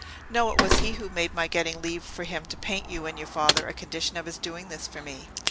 "No, it was he who made my getting leave for him to paint you and your father, a condition of his doing this for me."